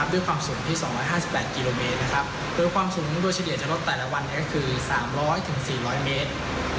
ด้วยความสูงที่๒๕๘กิโลเมตรนะครับโดยความสูงโดยเฉลี่ยจะลดแต่ละวันก็คือ๓๐๐๔๐๐เมตร